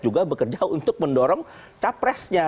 juga bekerja untuk mendorong capresnya